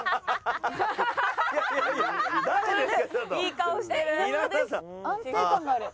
いい顔してる。